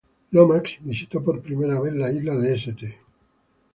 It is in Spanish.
Lomax visitó por primera vez la isla de St.